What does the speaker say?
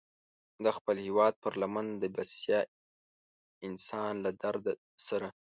د خپل هېواد پر لمن د بسیا انسان له درد سره.